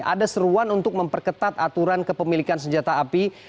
ada seruan untuk memperketat aturan kepemilikan senjata api